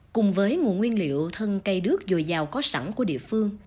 cùng với nguồn nguyên liệu thân cây đước dồi dào có sẵn của địa phương